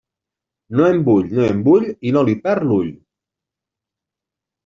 No en vull, no en vull, i no li perd l'ull.